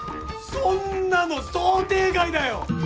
そんなの想定外だよ！